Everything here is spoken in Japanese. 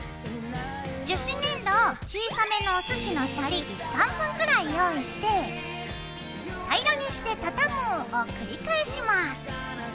樹脂粘土を小さめのおすしのシャリ１貫分ぐらい用意して平らにして畳むを繰り返します。